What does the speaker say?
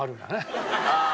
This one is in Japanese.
ああ！